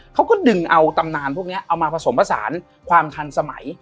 เขาก็ดึงเอาตำนานพวกนี้เอามาผสมผสานความทันสมัย